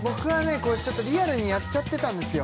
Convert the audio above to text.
これちょっとリアルにやっちゃってたんですよ